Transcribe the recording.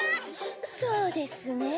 そうですね